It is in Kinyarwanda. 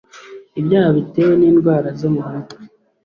Ibyaha bitewe n indwara zo mu mutwe